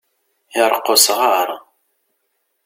Iṛeqq usɣaṛ.